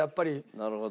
なるほど。